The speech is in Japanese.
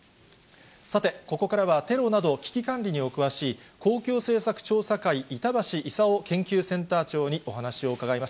さて、ここからは、テロなど危機管理にお詳しい、公共政策調査会、板橋功研究センター長にお話を伺います。